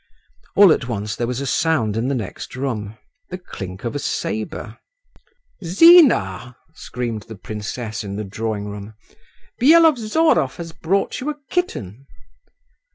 All at once there was a sound in the next room—the clink of a sabre. "Zina!" screamed the princess in the drawing room, "Byelovzorov has brought you a kitten."